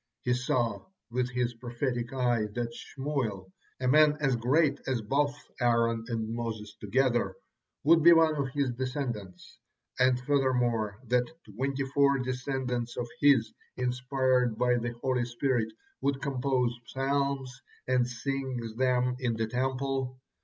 He saw with his prophetic eye that Samuel, a man as great as both Aaron and Moses together, would be one of his descendants; and furthermore that twenty four descendants of his, inspired by the Holy Spirit, would compose psalms and sing them in the Temple.